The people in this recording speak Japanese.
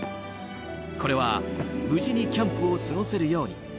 これは無事にキャンプを過ごせるように。